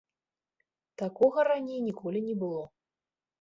Такога раней ніколі не было.